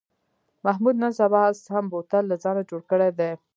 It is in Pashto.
محمود نن سبا سم بوتل له ځانه جوړ کړی دی.